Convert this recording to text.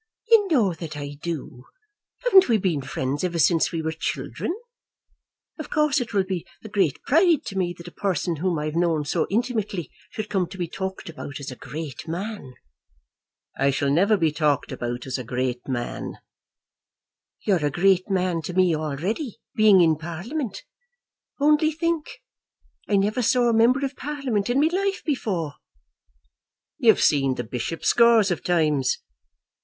"You know that I do. Haven't we been friends ever since we were children? Of course it will be a great pride to me that a person whom I have known so intimately should come to be talked about as a great man." "I shall never be talked about as a great man." "You're a great man to me already, being in Parliament. Only think; I never saw a member of Parliament in my life before." "You've seen the bishop scores of times."